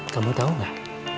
kamu tau gak